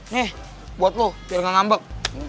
nih buat lo biar nggak ngambek